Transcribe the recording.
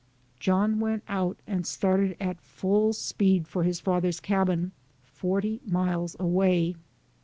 John went out and started at full speed for his father's cabin, forty miles away.